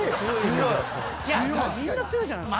みんな強いじゃない。